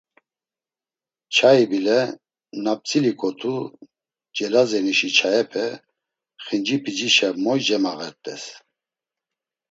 Çayi bile, na p̌tziliǩotu Celazenişi çayepe Xincip̌icişa moy cemağert̆es?